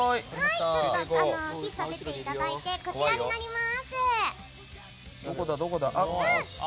喫茶を出ていただいてこちらになります。